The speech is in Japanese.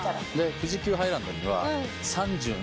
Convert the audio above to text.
富士急ハイランドには。